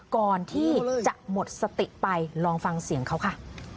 ก่อนที่จะหมดสติไปลองฟังเสียงเขาค่ะ